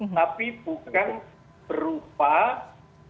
bukan menyampaikan keputusan bahwa mpr akan melakukan